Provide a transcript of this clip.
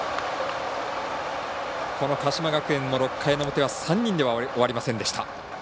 この鹿島学園の６回の表は３人では終わりませんでした。